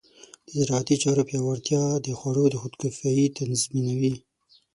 د زراعتي چارو پیاوړتیا د خوړو خودکفایي تضمینوي.